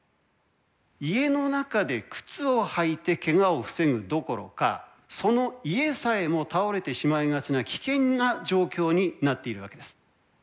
家の中で靴を履いてけがを防ぐどころかその家さえも倒れてしまいがちな危険な状況になっているわけです。